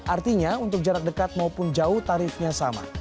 artinya untuk jarak dekat maupun jauh tarifnya sama